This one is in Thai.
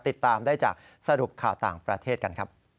ติดตามได้จากสรุปข่าวต่างประเทศกันครับ